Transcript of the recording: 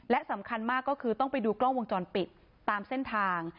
และสำคัญมากก็คือต้องไปดูกล้องวงจรปิดตามเส้นทาง